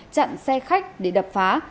chặn xe khách để đập phá